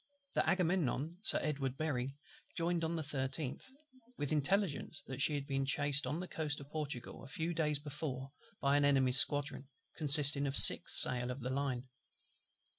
The Agamemnon, Sir EDWARD BERRY, joined on the 13th; with intelligence that she had been chased on the coast of Portugal a few days before by an Enemy's squadron, consisting of six sail of the line.